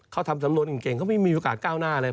เขาทำสำนวนเก่งเขาไม่มีโอกาสก้าวหน้าเลย